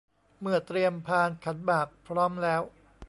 เมื่อเตรียมพานขันหมากพร้อมแล้ว